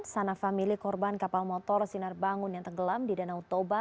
sanafa milik korban kapal motor sinar bangun yang tenggelam di danau toba